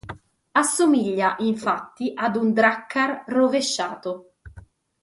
Assomiglia infatti ad un drakkar rovesciato.